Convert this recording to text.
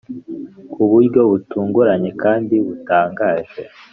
kuburyo butunguranye kandi butangaje